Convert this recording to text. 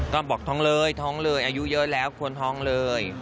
ก็บอกท้องเลยท้องเลยอายุเยอะแล้วควรท้องเลย